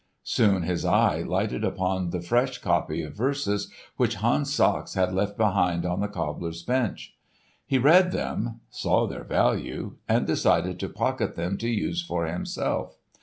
Soon his eye lighted upon the fresh copy of verses which Hans Sachs had left behind on the cobbler's bench. He read them, saw their value, and decided to pocket them to use for himself.